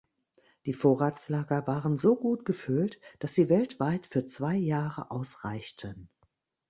Die Vorratslager waren so gut gefüllt, dass sie weltweit für zwei Jahre ausreichten.